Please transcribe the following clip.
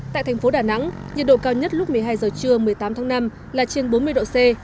tại thành phố đà nẵng nhiệt độ cao nhất lúc một mươi hai giờ trưa một mươi tám tháng năm là trên bốn mươi độ c